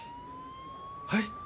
はい！